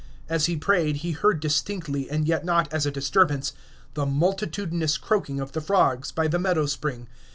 As he prayed he heard distinctly, and yet not as a disturbance, the multitudinous croaking of the frogs by the meadow spring.